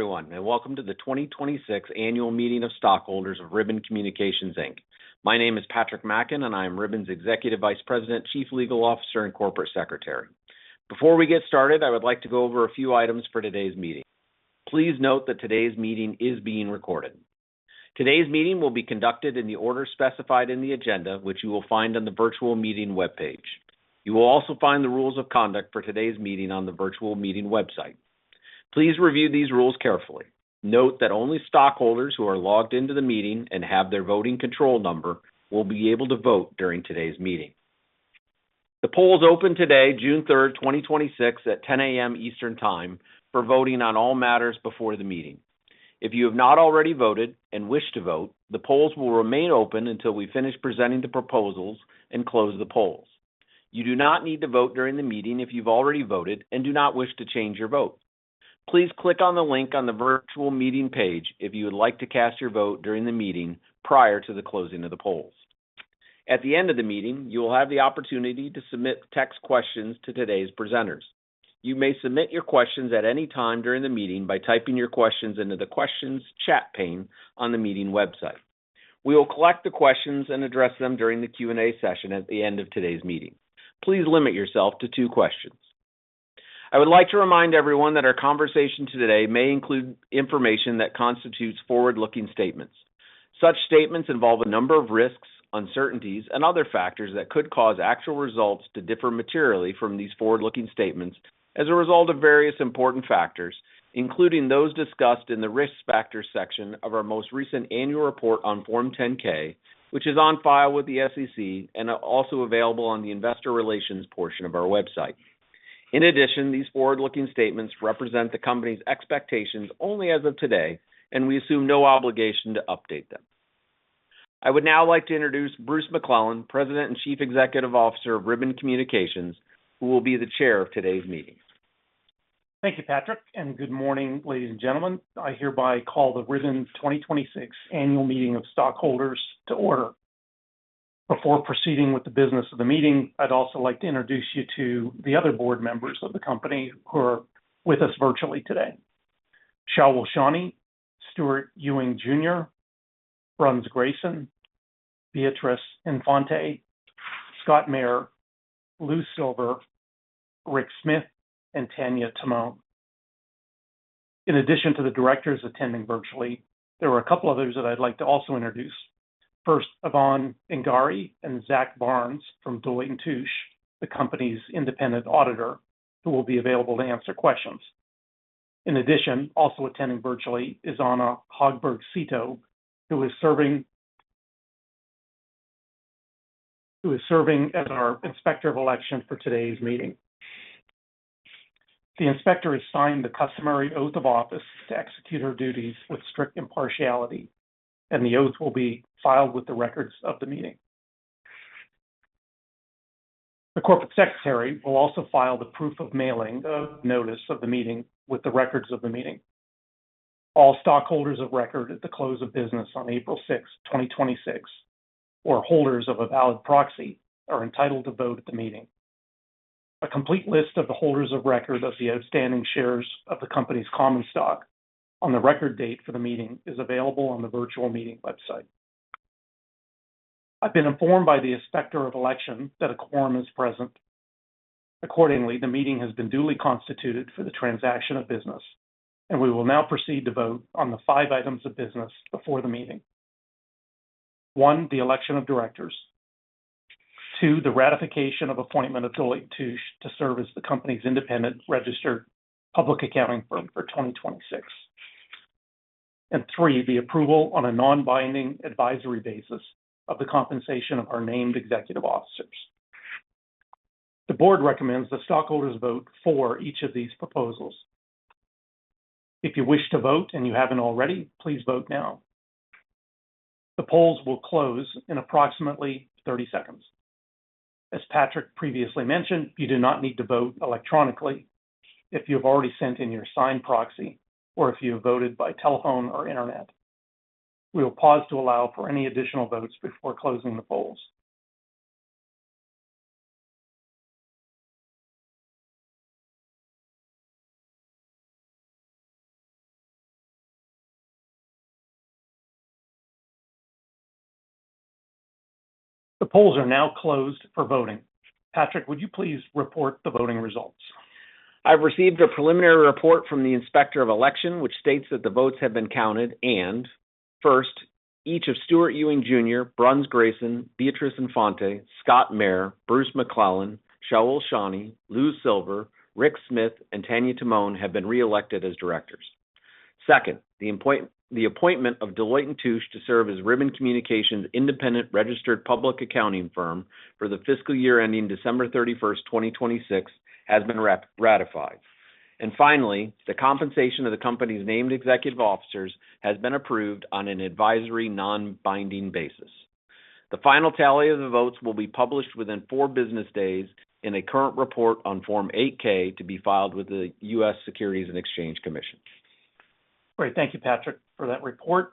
Hello everyoneand welcome to the 2026 Annual Meeting of Stockholders of Ribbon Communications Inc. My name is Patrick Macken, and I am Ribbon's Executive Vice President, Chief Legal Officer, and Corporate Secretary. Before we get started, I would like to go over a few items for today's meeting. Please note that today's meeting is being recorded. Today's meeting will be conducted in the order specified in the agenda, which you will find on the virtual meeting webpage. You will also find the rules of conduct for today's meeting on the virtual meeting website. Please review these rules carefully. Note that only stockholders who are logged into the meeting and have their voting control number will be able to vote during today's meeting. The polls open today, June 3rd, 2026, at 10:00 A.M. Eastern Time for voting on all matters before the meeting. If you have not already voted and wish to vote, the polls will remain open until we finish presenting the proposals and close the polls. You do not need to vote during the meeting if you've already voted and do not wish to change your vote. Please click on the link on the virtual meeting page if you would like to cast your vote during the meeting prior to the closing of the polls. At the end of the meeting, you will have the opportunity to submit text questions to today's presenters. You may submit your questions at any time during the meeting by typing your questions into the questions chat pane on the meeting website. We will collect the questions and address them during the Q&A session at the end of today's meeting. Please limit yourself to two questions. I would like to remind everyone that our conversation today may include information that constitutes forward-looking statements. Such statements involve a number of risks, uncertainties, and other factors that could cause actual results to differ materially from these forward-looking statements as a result of various important factors, including those discussed in the Risk Factors section of our most recent annual report on Form 10-K, which is on file with the SEC and also available on the investor relations portion of our website. In addition, these forward-looking statements represent the company's expectations only as of today, and we assume no obligation to update them. I would now like to introduce Bruce McClelland, President and Chief Executive Officer of Ribbon Communications, who will be the chair of today's meeting. Thank you Patrick and good morning ladies and gentlemen. I hereby call the Ribbon 2026 Annual Meeting of Stockholders to order. Before proceeding with the business of the meeting, I'd also like to introduce you to the other board members of the company who are with us virtually today. Shaul Shani, Stewart Ewing Jr., Bruns Grayson, Beatriz Infante, Scott Mahir, Lou Silver, Rick Smith, and Tanya Timone. In addition to the directors attending virtually, there are a couple others that I'd like to also introduce. First, Ivonne Ingari and Zach Barnes from Deloitte & Touche, the company's independent auditor, who will be available to answer questions. In addition, also attending virtually is Anna Hogberg Seto, who is serving as our Inspector of Election for today's meeting. The Inspector has signed the customary oath of office to execute her duties with strict impartiality, and the oath will be filed with the records of the meeting. The Corporate Secretary will also file the proof of mailing of notice of the meeting with the records of the meeting. All stockholders of record at the close of business on April 6th, 2026, or holders of a valid proxy, are entitled to vote at the meeting. A complete list of the holders of record of the outstanding shares of the company's common stock on the record date for the meeting is available on the virtual meeting website. I've been informed by the Inspector of Election that a quorum is present. Accordingly, the meeting has been duly constituted for the transaction of business, and we will now proceed to vote on the five items of business before the meeting. One, the election of directors. Two, the ratification of appointment of Deloitte & Touche to serve as the company's independent registered public accounting firm for 2026. Three, the approval on a non-binding advisory basis of the compensation of our named executive officers. The board recommends the stockholders vote for each of these proposals. If you wish to vote and you haven't already, please vote now. The polls will close in approximately 30 seconds. As Patrick previously mentioned, you do not need to vote electronically if you have already sent in your signed proxy or if you have voted by telephone or internet. We will pause to allow for any additional votes before closing the polls. The polls are now closed for voting. Patrick, would you please report the voting results? I've received a preliminary report from the Inspector of Election, which states that the votes have been counted and, first, each of Stewart Ewing Jr., Bruns Grayson, Beatriz Infante, Scott Mair, Bruce McClelland, Shaul Shani, Lou Silver, Rick Smith, and Tanya Tamone have been reelected as directors. Second, the appointment of Deloitte & Touche to serve as Ribbon Communications' independent registered public accounting firm for the fiscal year ending December 31st, 2026 has been ratified. Finally, the compensation of the company's named executive officers has been approved on an advisory non-binding basis. The final tally of the votes will be published within four business days in a current report on Form 8-K to be filed with the U.S. Securities and Exchange Commission. Great. Thank you Patrick for that report.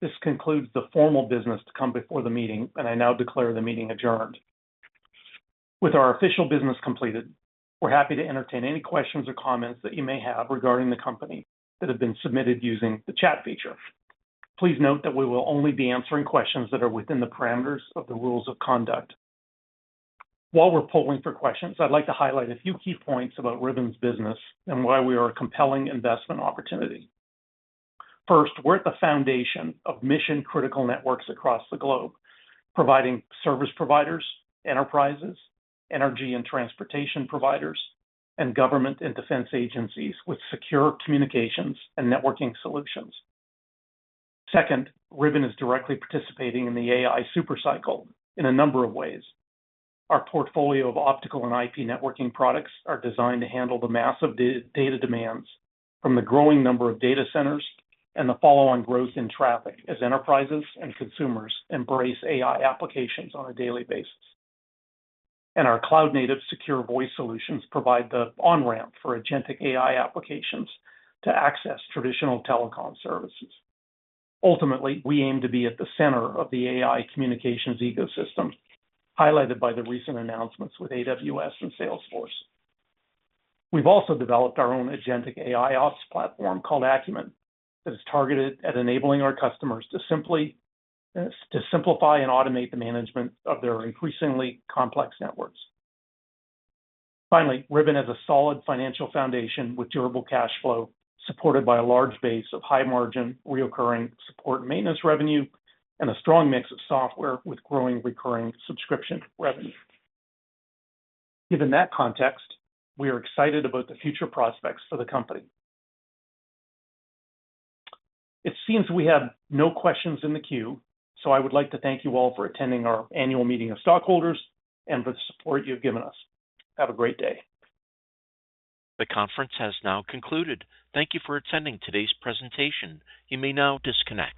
This concludes the formal business to come before the meeting, and I now declare the meeting adjourned. With our official business completed, we're happy to entertain any questions or comments that you may have regarding the company that have been submitted using the chat feature. Please note that we will only be answering questions that are within the parameters of the rules of conduct. While we're polling for questions, I'd like to highlight a few key points about Ribbon's business and why we are a compelling investment opportunity. First, we're at the foundation of mission-critical networks across the globe, providing service providers, enterprises, energy and transportation providers, and government and defense agencies with secure communications and networking solutions. Second, Ribbon is directly participating in the AI super cycle in a number of ways. Our portfolio of optical and IP networking products are designed to handle the massive data demands from the growing number of data centers and the follow-on growth in traffic as enterprises and consumers embrace AI applications on a daily basis. Our cloud-native secure voice solutions provide the on-ramp for agentic AI applications to access traditional telecom services. Ultimately, we aim to be at the center of the AI communications ecosystem, highlighted by the recent announcements with AWS and Salesforce. We've also developed our own Agentic AIOps platform called Acumen that is targeted at enabling our customers to simplify and automate the management of their increasingly complex networks. Finally, Ribbon has a solid financial foundation with durable cash flow, supported by a large base of high-margin, recurring support and maintenance revenue, and a strong mix of software with growing recurring subscription revenue. Given that context, we are excited about the future prospects for the company. It seems we have no questions in the queue. I would like to thank you all for attending our annual meeting of stockholders and for the support you've given us. Have a great day. The conference has now concluded. Thank you for attending today's presentation. You may now disconnect.